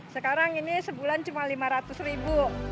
sekarang ini sebulan cuma rp lima ratus